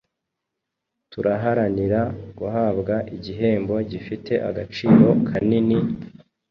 turaharanira guhabwa igihembo gifite agaciro kanini,